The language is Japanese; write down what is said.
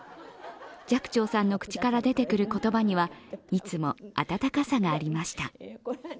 寂聴さんの口から出てくる言葉には、いつも温かさがありました。